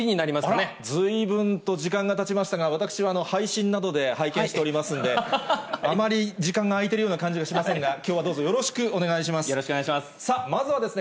あら、ずいぶんと時間がたちましたが、私は、配信などで拝見しておりますので、あまり時間が空いてるような感じがしませんが、きょうはどうぞよよろしくお願いします。